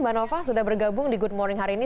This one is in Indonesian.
mbak nova sudah bergabung di good morning hari ini